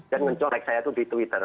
dan mencorek saya itu di twitter